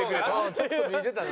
ちょっと脱いでたな。